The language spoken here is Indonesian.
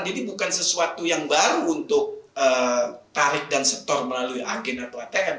jadi bukan sesuatu yang baru untuk tarik dan setor melalui agen atau atm